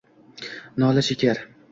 Nola chekar